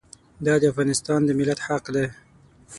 دا د افغانستان د ملت حق دی.